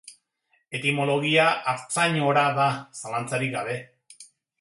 Etimologia Artzain-ora da, zalantzarik gabe.